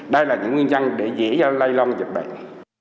đây là những nguyên nhân để dễ dàng lây loan dịch bệnh